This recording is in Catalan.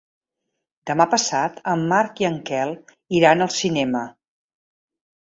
Demà passat en Marc i en Quel iran al cinema.